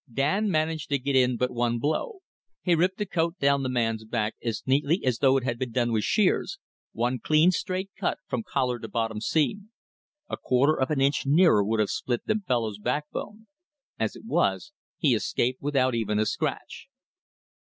Dan managed to get in but one blow. He ripped the coat down the man's back as neatly as though it had been done with shears, one clean straight cut from collar to bottom seam. A quarter of an inch nearer would have split the fellow's backbone. As it was, he escaped without even a scratch.